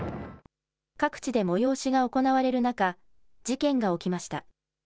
各地で催しが行われる中、事件が起きました。